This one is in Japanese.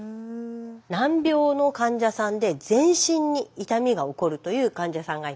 難病の患者さんで全身に痛みが起こるという患者さんがいます。